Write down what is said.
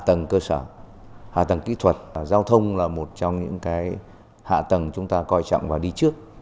hạ tầng cơ sở hạ tầng kỹ thuật giao thông là một trong những hạ tầng chúng ta coi trọng và đi trước